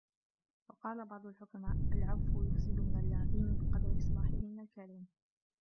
وَقَالَ بَعْضُ الْحُكَمَاءِ الْعَفْوُ يُفْسِدُ مِنْ اللَّئِيمِ بِقَدْرِ إصْلَاحِهِ مِنْ الْكَرِيمِ